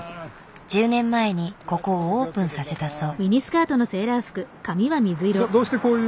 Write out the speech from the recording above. １０年前にここをオープンさせたそう。